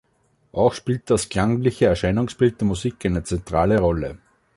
Auch spielt das klangliche Erscheinungsbild der Musik eine zentrale Rolle.